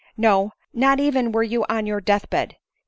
127 No— not even were you on your death bed.